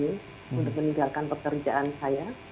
untuk meninggalkan pekerjaan saya